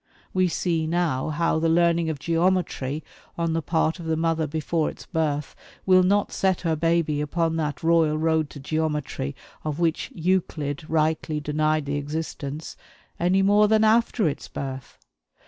We see now how the learning of geometry on the part of the mother before its birth will not set her baby upon that royal road to geometry of which Euclid rightly denied the existence any more than after its birth.